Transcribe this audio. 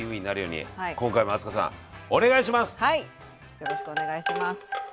よろしくお願いします。